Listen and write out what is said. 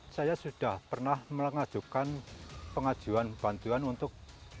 saya sudah pernah mengajukan pengajuan bantuan untuk